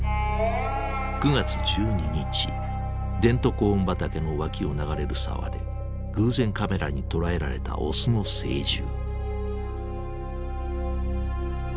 デントコーン畑の脇を流れる沢で偶然カメラに捉えられたオスの成獣。